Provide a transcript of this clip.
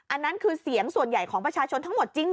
อันนั้นคือเสียงส่วนใหญ่ของประชาชนทั้งหมดจริงเห